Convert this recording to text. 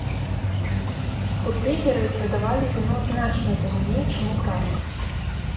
Бутлегеры прадавалі віно значна танней, чым у крамах.